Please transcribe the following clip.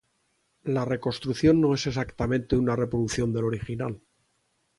La reconstrucción no es exactamente una reproducción del original.